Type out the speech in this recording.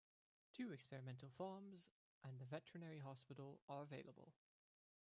Two experimental farms and the Veterinary Hospital are available.